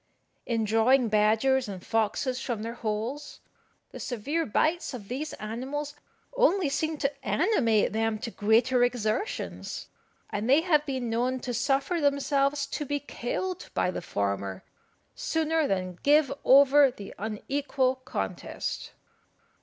In drawing badgers and foxes from their holes, the severe bites of these animals only seem to animate them to greater exertions; and they have been known to suffer themselves to be killed by the former sooner than give over the unequal contest.